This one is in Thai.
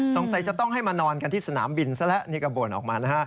จะต้องให้มานอนกันที่สนามบินซะแล้วนี่ก็บ่นออกมานะฮะ